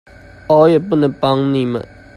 我也不能幫你們